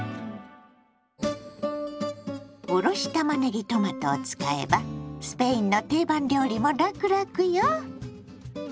おろしたまねぎトマトを使えばスペインの定番料理もラクラクよ！